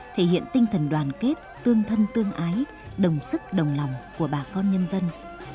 thể hiện tinh thần đoàn kết tương thân tương ái đồng sức đồng lòng của bà con nhân dân